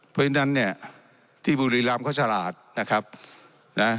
เพราะฉะนั้นเนี่ยที่บุรีรำเขาฉลาดนะครับนะ